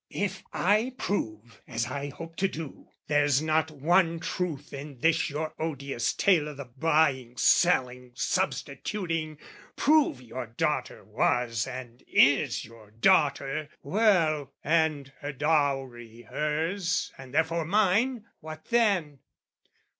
If I prove, as I hope to do, "There's not one truth in this your odious tale "O' the buying, selling, substituting prove "Your daughter was and is your daughter, well, "And her dowry hers and therefore mine, what then?